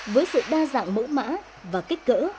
với sự đa dạng mẫu mã và kích cỡ